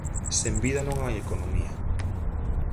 Sen vida non hai economía.